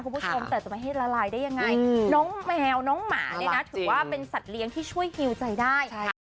โปรดติดตามตอนต่อไป